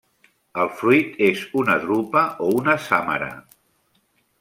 El fruit és una drupa o una sàmara.